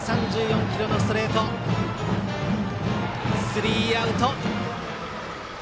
スリーアウト。